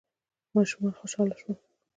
ماشومان خوشحاله شول.